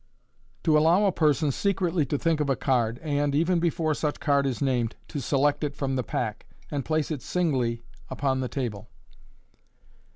To allow a Person secretly to think op a Card, and, EVEN BEFORE SUCH CARD IS NAMED, TO SELECT IT FROM THE PACK, and place it singly upon the Table.